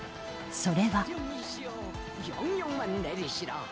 それは。